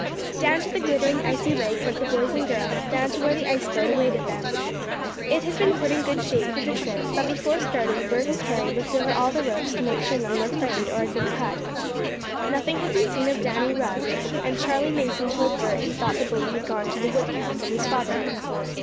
Down to the glittering, icy lake went the boys and girls, down to where the ice boat awaited them. It had been put in good shape for the trip, but before starting Bert and Harry looked over all the ropes to make sure none were frayed, or had been cut. Nothing had been seen of Danny Rugg, and Charley Mason told Bert he thought the bully had gone to the wood camp with his father.